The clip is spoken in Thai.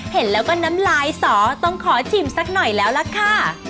เห็นแล้วก็น้ำลายสอต้องขอชิมสักหน่อยแล้วล่ะค่ะ